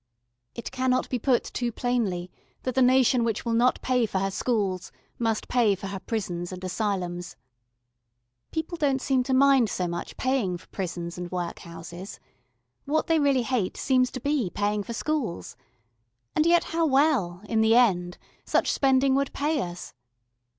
It cannot be put too plainly that the nation which will not pay for her schools must pay for her prisons and asylums. People don't seem to mind so much paying for prisons and workhouses. What they really hate seems to be paying for schools. And yet how well, in the end, such spending would pay us!